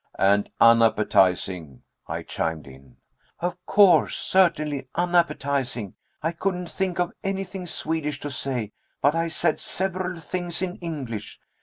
"And unappetizing!" I chimed in. "Of course certainly unappetizing. I couldn't think of anything Swedish to say, but I said several things in English.